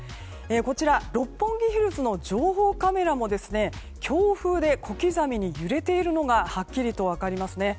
こちら、六本木ヒルズの情報カメラも強風で小刻みに揺れているのがはっきりと分かります。